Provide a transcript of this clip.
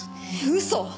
嘘！